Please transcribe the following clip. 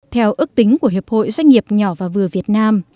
theo ước tính của hiệp hội doanh nghiệp nhỏ và vừa việt nam